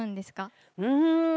うん。